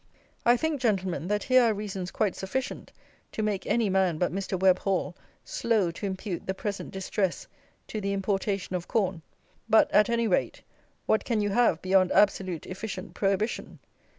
I think, Gentlemen, that here are reasons quite sufficient to make any man but Mr. Webb Hall slow to impute the present distress to the importation of corn; but, at any rate, what can you have beyond absolute efficient prohibition?